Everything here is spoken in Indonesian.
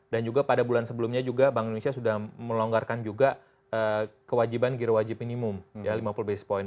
dan juga pada bulan sebelumnya juga bank indonesia sudah melonggarkan juga kewajiban gira wajib minimum ya lima puluh basis point